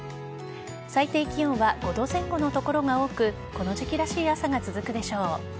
最低気温は５度前後の所が多くこの時期らしい朝が続くでしょう。